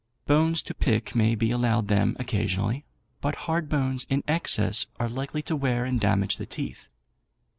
Bones to pick may be allowed them occasionally, but hard bones in excess are likely to wear and damage the teeth.